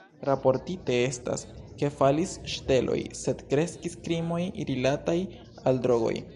Raportite estas, ke falis ŝteloj sed kreskis krimoj rilataj al drogoj.